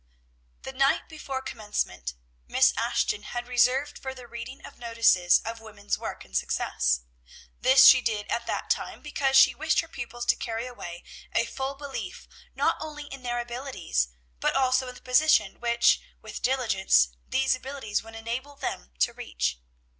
The night before commencement Miss Ashton had reserved for the reading of notices of woman's work and success. This she did at that time, because she wished her pupils to carry away a full belief not only in their own abilities, but also in the position which, with diligence, these abilities would enable them to reach.